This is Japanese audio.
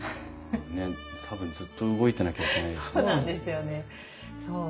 ねっ多分ずっと動いてなきゃいけない。